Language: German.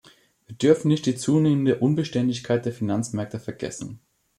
Wir dürfen nicht die zunehmende Unbeständigkeit der Finanzmärkte vergessen.